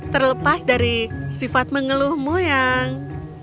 terlepas dari sifat mengeluhmu yang